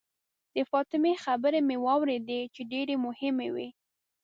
د فاطمې خبرې مې واورېدې چې ډېرې مهمې وې.